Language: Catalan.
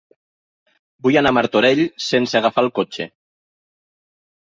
Vull anar a Martorell sense agafar el cotxe.